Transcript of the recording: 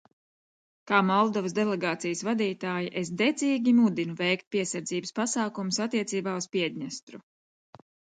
Kā Moldovas delegācijas vadītāja es dedzīgi mudinu veikt piesardzības pasākumus attiecībā uz Piedņestru.